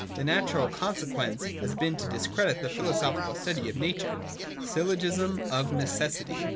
The natural consequence has been to discredit the philosophical study of nature. (7) Syllogism of Necessity.